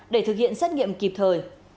để thực hiện xét nghiệm kịp thời